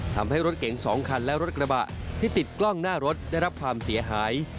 ทำให้รถเก๋ง๒คันและรถกระบะที่ติดกล้องหน้ารถได้รับความเสียหาย